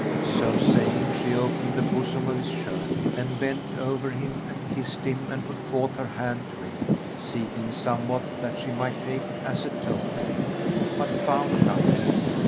So saying, she opened the bosom of his shirt and bent over him and kissed him and put forth her hand to him, seeking somewhat that she might take as a token, but found nothing.